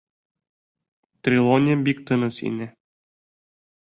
Трелони бик тыныс ине.